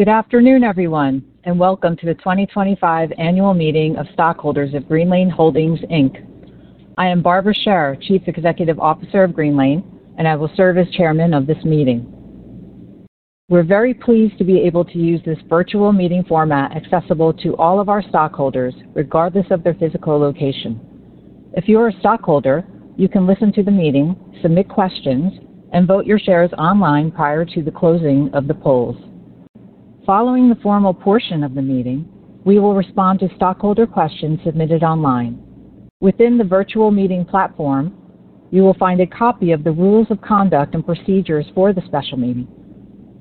Good afternoon, everyone, and welcome to the 2025 Annual Meeting of Stockholders of Greenlane Holdings, Inc. I am Barbara Sher, Chief Executive Officer of Greenlane, and I will serve as Chairman of this meeting. We're very pleased to be able to use this virtual meeting format accessible to all of our stockholders, regardless of their physical location. If you are a stockholder, you can listen to the meeting, submit questions, and vote your shares online prior to the closing of the polls. Following the formal portion of the meeting, we will respond to stockholder questions submitted online. Within the virtual meeting platform, you will find a copy of the rules of conduct and procedures for the special meeting.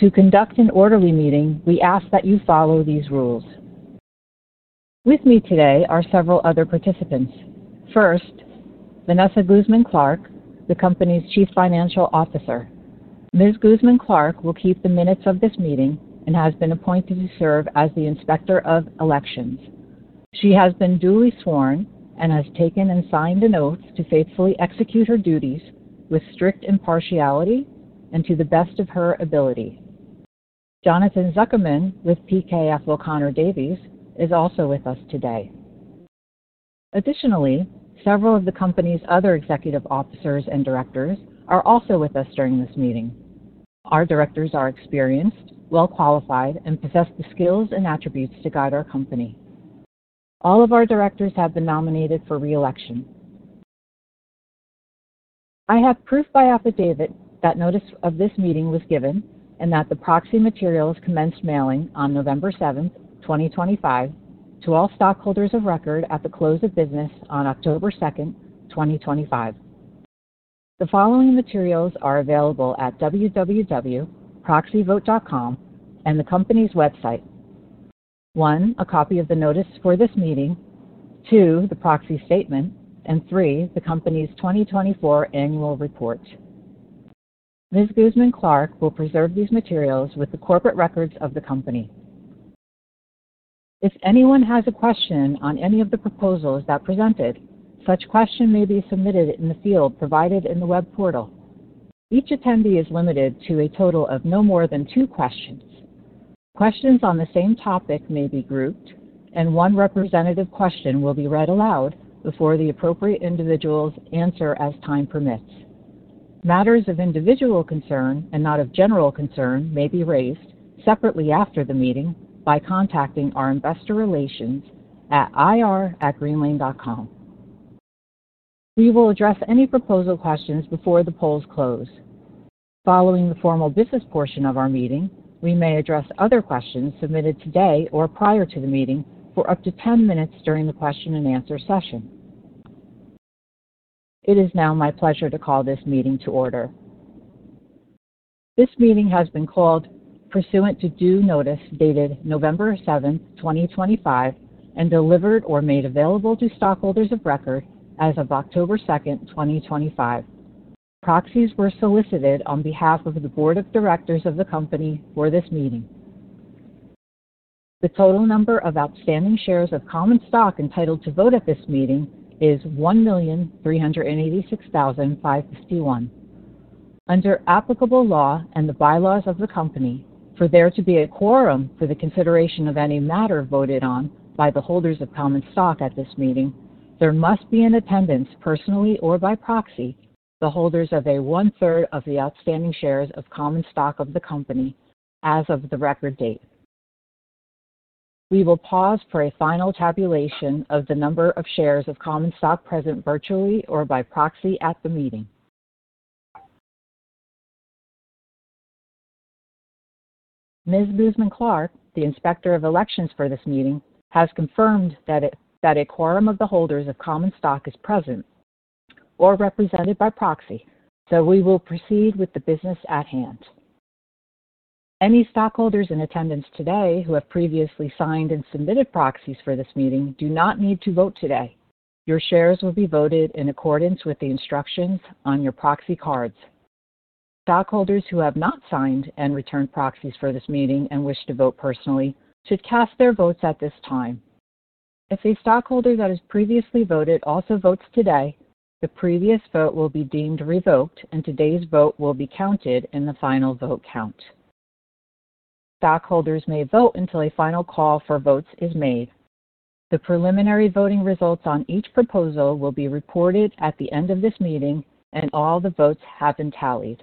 To conduct an orderly meeting, we ask that you follow these rules. With me today are several other participants. First, Vanessa Guzmán-Clark, the company's Chief Financial Officer. Ms. Guzman-Clark will keep the minutes of this meeting and has been appointed to serve as the Inspector of Elections. She has been duly sworn and has taken and signed notes to faithfully execute her duties with strict impartiality and to the best of her ability. Jonathan Zuckerman with PKF O'Connor Davies is also with us today. Additionally, several of the company's other executive officers and directors are also with us during this meeting. Our directors are experienced, well-qualified, and possess the skills and attributes to guide our company. All of our directors have been nominated for reelection. I have proof by affidavit that notice of this meeting was given and that the proxy materials commenced mailing on November 7th, 2025, to all stockholders of record at the close of business on October 2nd, 2025. The following materials are available at www.proxyvote.com and the company's website: one, a copy of the notice for this meeting; two, the proxy statement; and three, the company's 2024 Annual Report. Ms. Guzman-Clark will preserve these materials with the corporate records of the company. If anyone has a question on any of the proposals that are presented, such questions may be submitted in the field provided in the web portal. Each attendee is limited to a total of no more than two questions. Questions on the same topic may be grouped, and one representative question will be read aloud before the appropriate individuals answer as time permits. Matters of individual concern and not of general concern may be raised separately after the meeting by contacting our investor relations at ir@greenlane.com. We will address any proposal questions before the polls close. Following the formal business portion of our meeting, we may address other questions submitted today or prior to the meeting for up to 10 minutes during the question-and-answer session. It is now my pleasure to call this meeting to order. This meeting has been called pursuant to due notice dated November 7th, 2025, and delivered or made available to stockholders of record as of October 2nd, 2025. Proxies were solicited on behalf of the board of directors of the company for this meeting. The total number of outstanding shares of common stock entitled to vote at this meeting is 1,386,551. Under applicable law and the bylaws of the company, for there to be a quorum for the consideration of any matter voted on by the holders of common stock at this meeting, there must be in attendance, personally or by proxy, the holders of a one-third of the outstanding shares of common stock of the company as of the record date. We will pause for a final tabulation of the number of shares of common stock present virtually or by proxy at the meeting. Ms. Guzman-Clark, the Inspector of Elections for this meeting, has confirmed that a quorum of the holders of common stock is present or represented by proxy, so we will proceed with the business at hand. Any stockholders in attendance today who have previously signed and submitted proxies for this meeting do not need to vote today. Your shares will be voted in accordance with the instructions on your proxy cards. Stockholders who have not signed and returned proxies for this meeting and wish to vote personally should cast their votes at this time. If a stockholder that has previously voted also votes today, the previous vote will be deemed revoked, and today's vote will be counted in the final vote count. Stockholders may vote until a final call for votes is made. The preliminary voting results on each proposal will be reported at the end of this meeting, and all the votes have been tallied.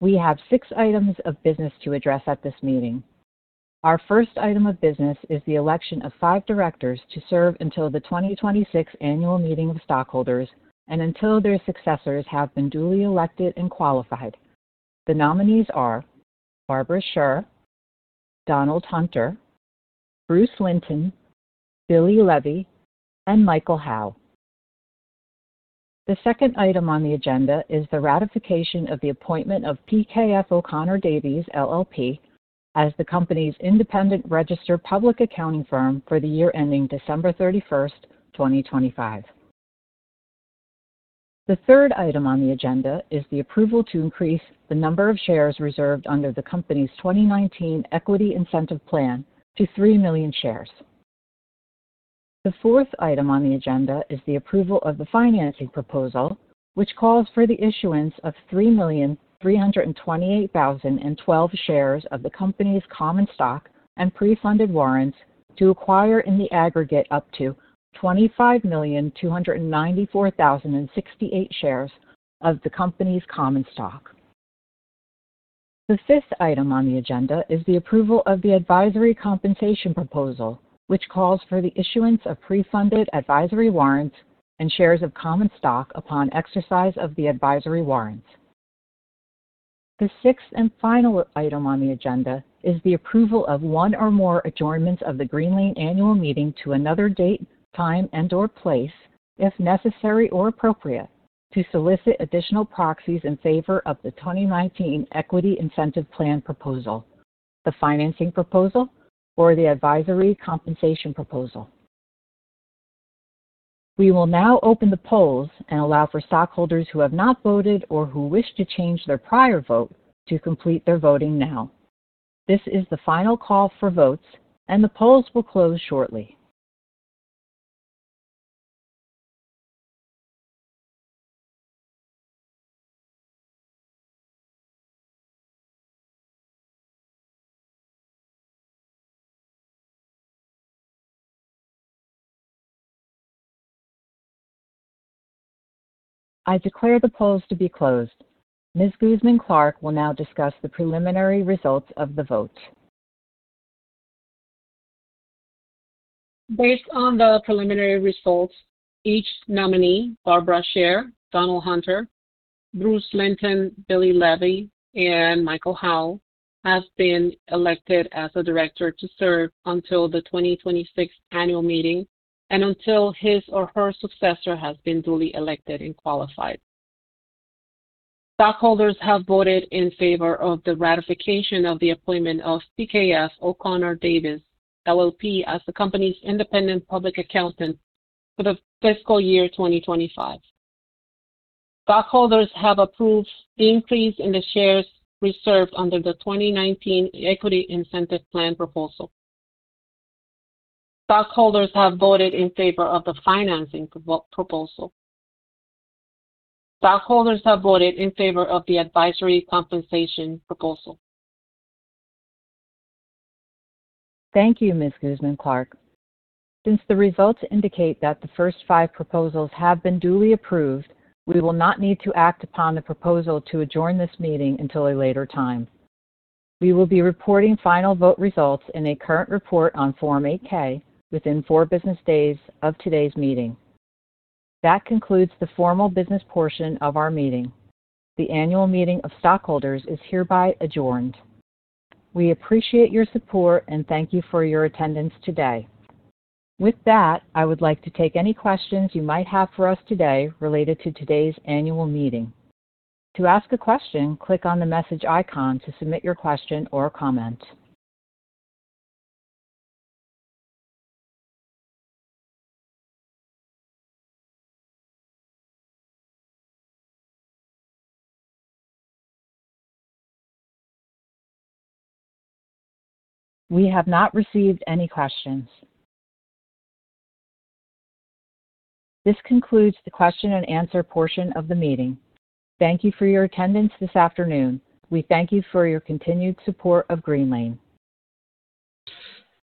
We have six items of business to address at this meeting. Our first item of business is the election of five directors to serve until the 2026 Annual Meeting of Stockholders and until their successors have been duly elected and qualified. The nominees are Barbara Sher, Donald Hunter, Bruce Linton, Billy Levy, and Michael Howe. The second item on the agenda is the ratification of the appointment of PKF O'Connor Davies, LLP, as the company's independent registered public accounting firm for the year ending December 31st, 2025. The third item on the agenda is the approval to increase the number of shares reserved under the company's 2019 Equity Incentive Plan to 3 million shares. The fourth item on the agenda is the approval of the financing proposal, which calls for the issuance of 3,328,012 shares of the company's common stock and pre-funded warrants to acquire in the aggregate up to 25,294,068 shares of the company's common stock. The fifth item on the agenda is the approval of the advisory compensation proposal, which calls for the issuance of pre-funded advisory warrants and shares of common stock upon exercise of the advisory warrants. The sixth and final item on the agenda is the approval of one or more adjournments of the Greenlane Annual Meeting to another date, time, and/or place, if necessary or appropriate, to solicit additional proxies in favor of the 2019 Equity Incentive Plan proposal, the financing proposal, or the advisory compensation proposal. We will now open the polls and allow for stockholders who have not voted or who wish to change their prior vote to complete their voting now. This is the final call for votes, and the polls will close shortly. I declare the polls to be closed. Ms. Guzman-Clark will now discuss the preliminary results of the vote. Based on the preliminary results, each nominee, Barbara Sher, Donald Hunter, Bruce Linton, Billy Levy, and Michael Howe, have been elected as a director to serve until the 2026 Annual Meeting and until his or her successor has been duly elected and qualified. Stockholders have voted in favor of the ratification of the appointment of PKF O'Connor Davies, LLP, as the company's independent public accountant for the fiscal year 2025. Stockholders have approved the increase in the shares reserved under the 2019 Equity Incentive Plan proposal. Stockholders have voted in favor of the financing proposal. Stockholders have voted in favor of the advisory compensation proposal. Thank you, Ms. Guzman-Clark. Since the results indicate that the first five proposals have been duly approved, we will not need to act upon the proposal to adjourn this meeting until a later time. We will be reporting final vote results in a current report on Form 8-K within four business days of today's meeting. That concludes the formal business portion of our meeting. The Annual Meeting of Stockholders is hereby adjourned. We appreciate your support and thank you for your attendance today. With that, I would like to take any questions you might have for us today related to today's Annual Meeting. To ask a question, click on the message icon to submit your question or comment. We have not received any questions. This concludes the question-and-answer portion of the meeting. Thank you for your attendance this afternoon. We thank you for your continued support of Greenlane.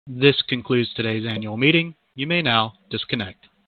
This concludes today's Annual Meeting. You may now disconnect.